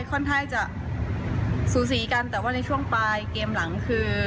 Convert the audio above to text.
ค่อนข้างจะสูสีกันแต่ว่าในช่วงปลายเกมหลังคือ